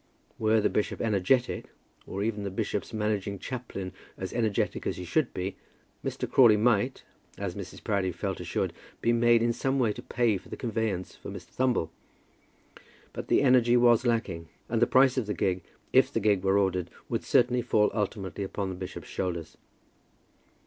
Were the bishop energetic, or even the bishop's managing chaplain as energetic as he should be, Mr. Crawley might, as Mrs. Proudie felt assured, be made in some way to pay for a conveyance for Mr. Thumble. But the energy was lacking, and the price of the gig, if the gig were ordered, would certainly fall ultimately upon the bishop's shoulders.